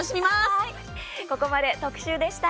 はい、ここまで特集でした。